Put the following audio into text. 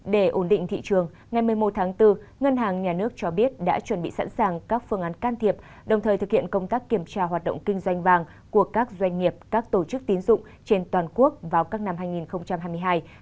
để ổn định thị trường ngày một mươi một tháng bốn ngân hàng nhà nước cho biết đã chuẩn bị sẵn sàng các phương án can thiệp đồng thời thực hiện công tác kiểm tra hoạt động kinh doanh vàng của các doanh nghiệp các tổ chức tín dụng trên toàn quốc vào các năm hai nghìn hai mươi hai